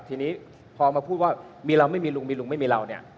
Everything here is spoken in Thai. ทีนี้พอมาพูดว่ามีเราไม่มีลุงมีลุงไม่มีเราเนี่ย